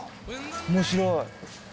面白い。